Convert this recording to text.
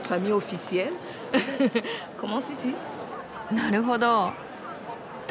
なるほど。